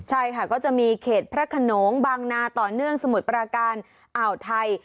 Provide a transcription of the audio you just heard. ใช่ค่ะก็จะมีเขตพระขนงบางนาต่อเนื่องสมุทรปราการอ่าวไทย